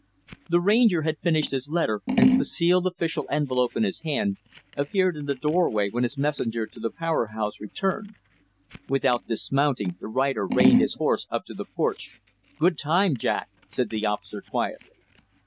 The Ranger had finished his letter and with the sealed official envelope in his hand, appeared in the doorway when his messenger to the Power House returned. Without dismounting, the rider reined his horse up to the porch. "Good time, Jack," said the officer, quietly.